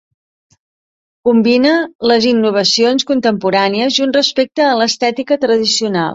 Combina les innovacions contemporànies i un respecte a l'estètica tradicional.